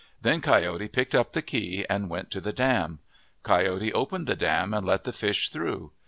Then Coyote picked up the key, and went to the dam. Coyote opened the dam and let the fish through.